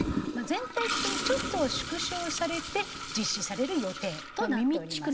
全体的にちょっと縮小されて実施される予定となっております。